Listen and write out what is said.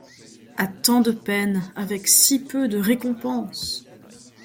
A tant de peine avec si peu de récompense !